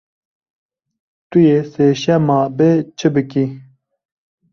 Tu yê sêşema bê çi bikî?